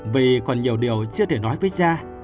vì còn nhiều điều chưa thể nói với cha